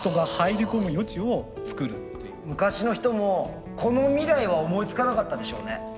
昔の人もこの未来は思いつかなかったでしょうね。